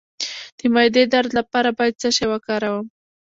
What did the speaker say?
د معدې درد لپاره باید څه شی وکاروم؟